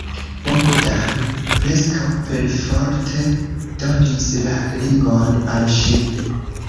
Bogdan preskaŭ perforte donis la ringon al ŝi.